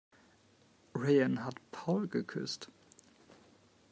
Rayen hat Paul geküsst.